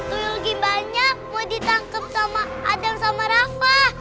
tuyul gimbalnya mau ditangkep sama adam sama rafa